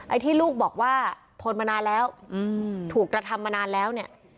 ที่ลูกบอกว่าทนมานานแล้วถูกกระทำมานานแล้วเนี่ย